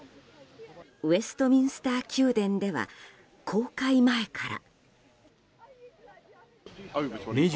ウェストミンスター宮殿では公開前から。